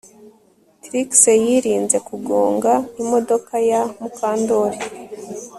Trix yirinze kugonga imodoka ya Mukandoli